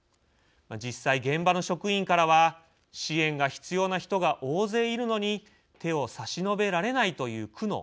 実際、現場の職員からは支援が必要な人が大勢いるのに手を差し伸べられないという苦悩。